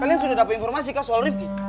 kalian sudah dapat informasi kah soal rivki